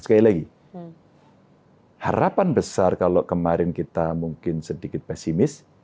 sekali lagi harapan besar kalau kemarin kita mungkin sedikit pesimis